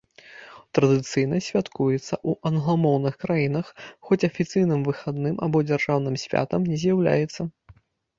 Традыцыйна святкуецца ў англамоўных краінах, хоць афіцыйным выхадным або дзяржаўным святам не з'яўляецца.